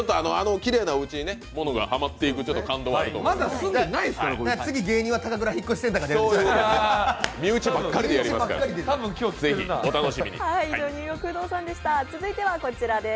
きれいなおうちに物がはまっていく感動はあると思います。